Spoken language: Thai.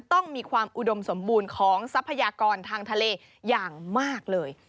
ต้องมีความอุดมสมบูรณ์ของทรัพยากรทางทะเลอย่างมากเลย